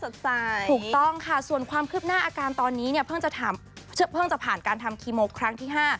ถูกต้องค่ะส่วนความคืบหน้าอาการตอนนี้เนี่ยเพิ่งจะผ่านการทำคีโมครั้งที่๕